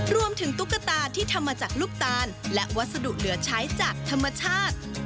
ตุ๊กตาที่ทำมาจากลูกตาลและวัสดุเหลือใช้จากธรรมชาติ